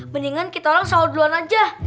mendingan kita orang selalu duluan aja